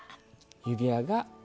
指輪が。